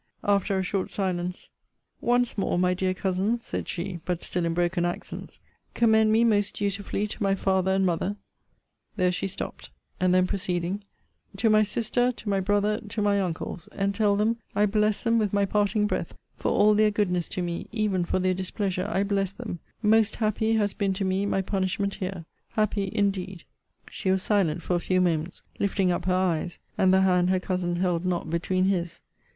After a short silence, Once more, my dear Cousin, said she, but still in broken accents, commend me most dutifully to my father and mother There she stopt. And then proceeding To my sister, to my brother, to my uncles and tell them, I bless them with my parting breath for all their goodness to me even for their displeasure, I bless them most happy has been to me my punishment here! Happy indeed! She was silent for a few moments, lifting up her eyes, and the hand her cousin held not between his.